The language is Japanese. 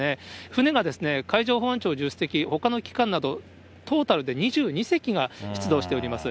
船が海上保安庁１０隻、ほかの機関など、トータルで２２隻が出動しております。